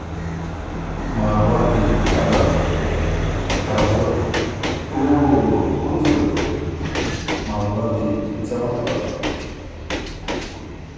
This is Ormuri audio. مارواتی: اره ــــــ رابوت: اوووه، اُن زُت؟ ـــــ مارواتی: ځۀ مطلب؟